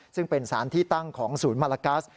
ซึ่งเป็นสารที่ตั้งของศูนย์มาลากัส